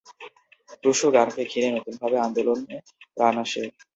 টুসু গানকে ঘিরে নতুনভাবে আন্দোলনে প্রাণ আসে।